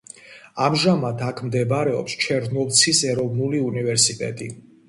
ამჟამად აქ მდებარეობს ჩერნოვცის ეროვნული უნივერსიტეტი.